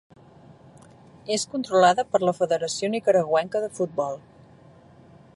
És controlada per la Federació Nicaragüenca de Futbol.